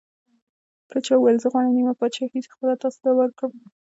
پاچا وویل: زه غواړم نیمه پادشاهي خپله تاسو ته ورکړم.